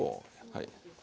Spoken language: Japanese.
はい。